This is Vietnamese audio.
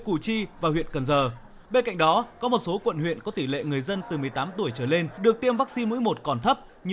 quận bảy quận sáu quận một quận năm quận một mươi một